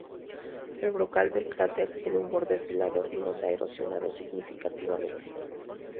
El brocal del cráter tiene un borde afilado y no se ha erosionado significativamente.